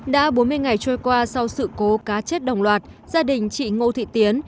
đã bốn mươi ngày trôi qua sau sự cố cá chết đồng loạt gia đình chị ngô thị tiến